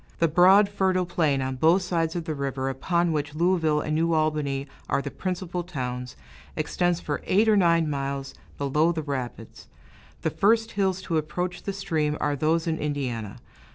The broad, fertile plain on both sides of the river, upon which Louisville and New Albany are the principal towns, extends for eight or nine miles below the rapids. The first hills to approach the stream are those in Indiana.